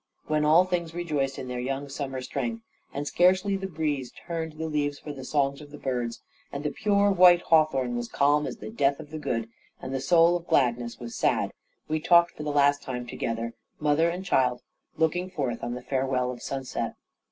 When all things rejoiced in their young summer strength, and scarcely the breeze turned the leaves for the songs of the birds, and the pure white hawthorn was calm as the death of the good, and the soul of gladness was sad, we talked for the last time together, mother and child, looking forth on the farewell of sunset.